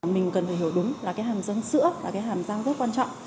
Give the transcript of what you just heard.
mình cần phải hiểu đúng là cái hàm răng sữa là cái hàm răng rất quan trọng